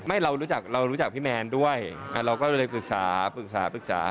ไม่เรารู้จักพี่แมนด้วยเราก็เลยปรึกษาปรึกษาปรึกษา